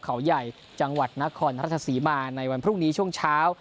เขาใหญ่จังหวัดนครราชสีมาในวันพรุ่งนี้ช่วงเช้า